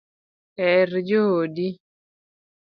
Her joodi